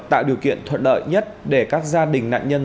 tạo điều kiện thuận lợi nhất để các gia đình nạn nhân